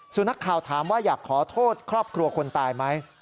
นักข่าวถามว่าอยากขอโทษครอบครัวคนตายไหม